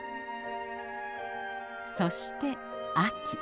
そして秋。